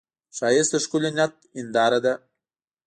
ښایست د ښکلي نیت هنداره ده